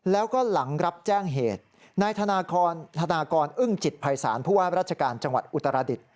แล้วก็หลังรับแจ้งเหตุนายธนากรอึ้งจิตภัยศาลผู้ว่าราชการจังหวัดอุตรดิษฐ